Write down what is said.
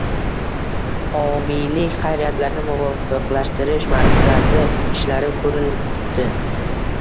Homiylik xayriyalarini muvofiqlashtirish markazi ishlari ko'rildi